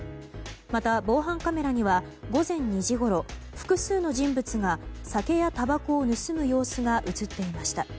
また、防犯カメラには午前２時ごろ複数の人物が酒やたばこを盗む様子が映っていました。